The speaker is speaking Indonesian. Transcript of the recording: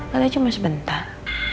padahal cuma sebentar